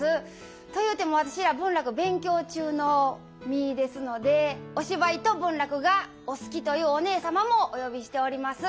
というても私ら文楽勉強中の身ですのでお芝居と文楽がお好きというお姉様もお呼びしております。